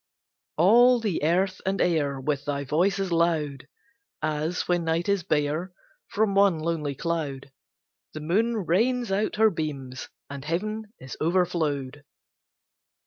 All the earth and air With thy voice is loud, As, when night is bare, From one lonely cloud The moon rains out her beams, and heaven is overflow'd.